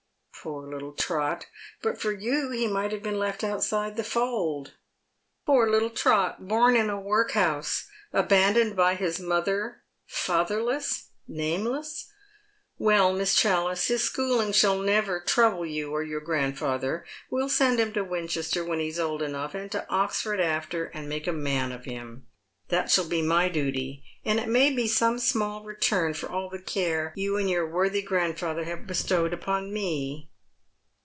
'*" Poor httle Trot, but for you he might have been left outside the fold. Poor little Trot, born in a workhouse, abandoned by his mother, fatherless, nameless ! Well, Miss Challice, hia schooling shall never trouble you or your grandfather. We'll send him to Winchester when he's old enough, and to Oxford after, and make a man of him. That shall be my duty, and it may be some small return for all the care you and your worthy grandfather have bestowed upon me."